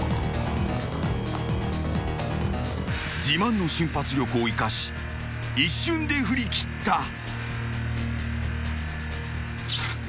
［自慢の瞬発力を生かし一瞬で振り切った］